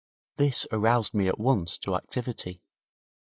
This aroused me at once to activity.